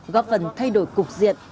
góp phần thay đổi cục sản